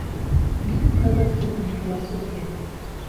Бик ҡыҙыҡ һеҙҙең философия.